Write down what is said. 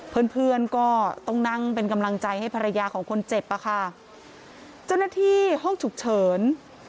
เพื่อนเพื่อนก็ต้องนั่งเป็นกำลังใจให้ภรรยาของคนเจ็บอ่ะค่ะเจ้าหน้าที่ห้องฉุกเฉิน